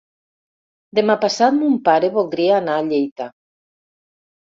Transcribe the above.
Demà passat mon pare voldria anar a Lleida.